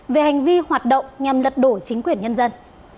về hành vi hoạt động nhằm lật đổ chính quyền nhân dân